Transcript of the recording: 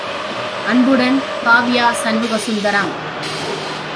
அன்புடன் காவ்யா சண்முகசுந்தரம்.